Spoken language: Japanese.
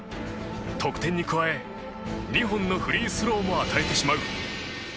得点に加え２本のフリースローも与えてしまう。